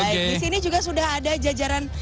disini juga sudah ada jajaran